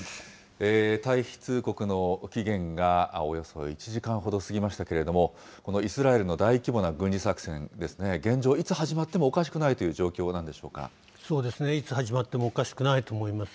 退避通告の期限がおよそ１時間ほど過ぎましたけども、このイスラエルの大規模な軍事作戦ですね、現状、いつ始まってもおかしそうですね、いつ始まってもおかしくないと思います。